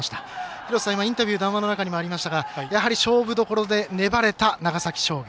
廣瀬さん、今のインタビュー談話の中にもありましたがやはり、勝負どころで粘れた長崎商業。